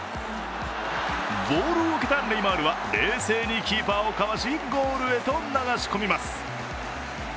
ボールを受けたネイマールは冷静にキーパーをかわしゴールへと流し込みます。